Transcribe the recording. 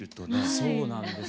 そうなんです。